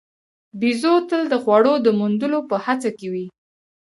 بیزو تل د خوړو د موندلو په هڅه کې وي.